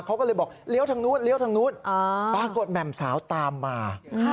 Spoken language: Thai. เขาก็เลยบอกเลี้ยวทางนู้นปรากฏแหม่มสาวตามมา